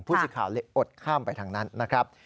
สิทธิ์ข่าวเลยอดข้ามไปทางนั้นนะครับ